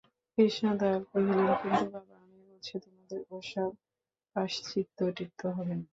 কৃষ্ণদয়াল কহিলেন, কিন্তু বাবা, আমি বলছি, তোমাদের ও-সব প্রায়শ্চিত্ত-টিত্ত হবে না।